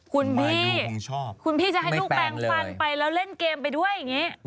คุณพี่คุณพี่จะให้ลูกแปลงฟันไปแล้วเล่นเกมไปด้วยอย่างนี้